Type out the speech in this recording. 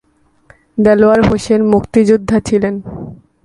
দেলোয়ার হোসেন মুক্তিযোদ্ধা ছিলেন।